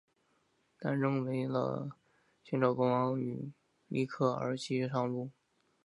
但仍为了寻找国王与里克而继续上路。